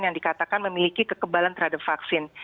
yang dikatakan memiliki kekebalan terhadap vaksin